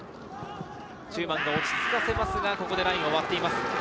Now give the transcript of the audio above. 中馬が落ち着かせますが、ここでラインを割っています。